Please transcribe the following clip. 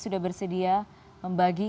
sudah bersedia membagi